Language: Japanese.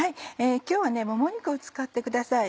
今日はもも肉を使ってください。